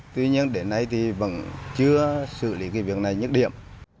tuy nhiên đến nay thì vẫn chưa xử lý cái việc này như điểm